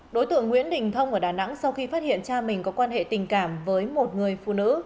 đối tượng nguyễn đình thông ở đà nẵng sau khi phát hiện cha mình có quan hệ tình cảm với một người phụ nữ